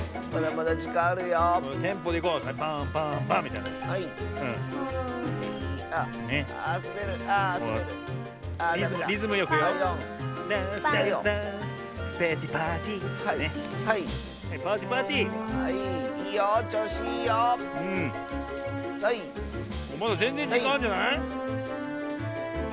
まだぜんぜんじかんあんじゃない？